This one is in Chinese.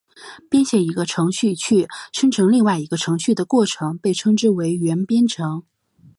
编写一个程序去生成另外一个程序的过程被称之为元编程。